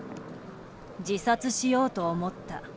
自殺しようと思った。